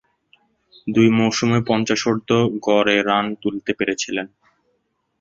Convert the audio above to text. দুই মৌসুমে পঞ্চাশোর্ধ্ব গড়ে রান তুলতে পেরেছিলেন।